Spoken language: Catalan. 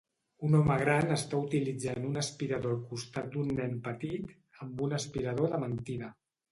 Un home gran està utilitzant un aspirador al costat d'un nen petit amb un aspirador de mentida.